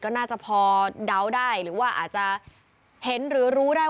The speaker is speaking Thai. ก็น่าจะพอเดาได้หรือว่าอาจจะเห็นหรือรู้ได้